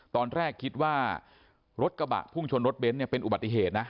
ตอนแรกคิดว่ารถกระบะพุ่งชนรถเบนท์เนี่ยเป็นอุบัติเหตุนะ